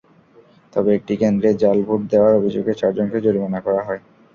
তবে একটি কেন্দ্রে জাল ভোট দেওয়ার অভিযোগে চারজনকে জরিমানা করা হয়।